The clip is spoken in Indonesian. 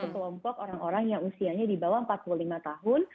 kelompok orang orang yang usianya di bawah empat puluh lima tahun